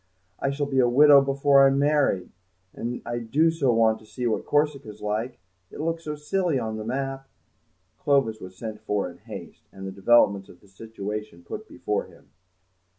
I shall be a widow before I'm married, and I do so want to see what Corsica's like; it looks so silly on the map." Clovis was sent for in haste, and the developments of the situation put before him.